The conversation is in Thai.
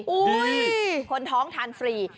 อุ้ยคนท้องทานฟรี